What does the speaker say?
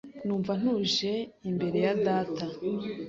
Numva ntuje imbere ya data.